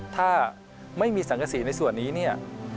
ถ้าไม่มีสังกษีในส่วนนี้